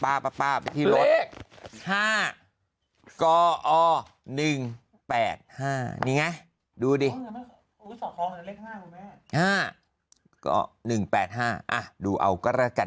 ป้าป้าป้าไปที่รถ๕กอ๑๘๕นี่ไงดูดิ๕ก๑๘๕ดูเอาก็ละกัน